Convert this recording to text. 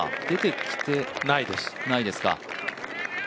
出てきてないですか。